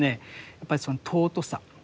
やっぱりその尊さ。